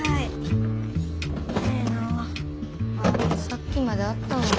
さっきまであったのに。